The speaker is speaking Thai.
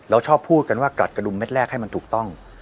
ชอบพูดกันว่ากลัดกระดุมเม็ดแรกให้มันถูกต้อง